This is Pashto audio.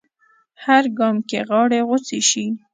هر ګام کې غاړې غوڅې شي